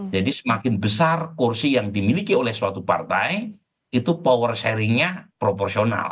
jadi semakin besar kursi yang dimiliki oleh suatu partai itu power sharingnya proporsional